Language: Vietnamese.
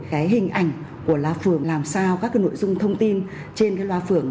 cái hình ảnh của lá phường làm sao các cái nội dung thông tin trên cái loa phường